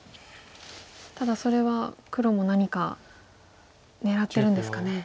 ただそれは黒も何か狙ってるんですかね。